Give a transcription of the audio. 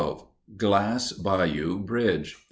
GLASS BAYOU BRIDGE.